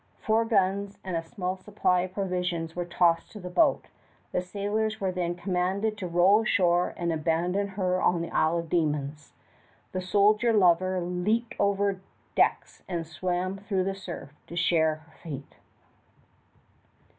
Four guns and a small supply of provisions were tossed to the boat. The sailors were then commanded to row ashore and abandon her on Isle of Demons. The soldier lover leaped over decks and swam through the surf to share her fate.